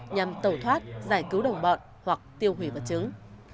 nhằm tẩu thoát giải cứu đồng bọn hoặc tiêu hủy vật chứng